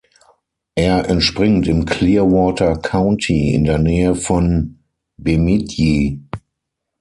Er entspringt im Clearwater County in der Nähe von Bemidji.